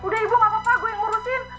gak apa apa gue yang urusin